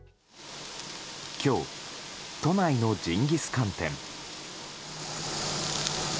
今日、都内のジンギスカン店。